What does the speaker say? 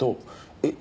えっ？